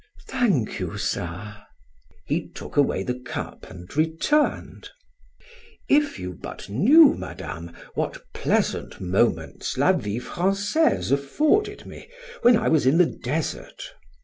"Thank you, sir." He took away the cup and returned: "If you, but knew, Madame, what pleasant moments 'La Vie Francaise' afforded me, when I was in the desert!